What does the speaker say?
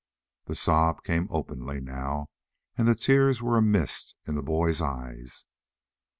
The sob came openly now, and the tears were a mist in the boy's eyes.